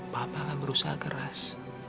papa akan berusaha keras